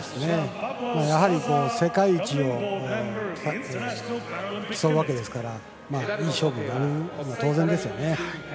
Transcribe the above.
やはり世界一を競うわけですからいい勝負になるのは当然ですよね。